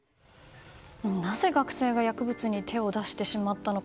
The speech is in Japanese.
なぜ学生が薬物に手を出してしまったのか。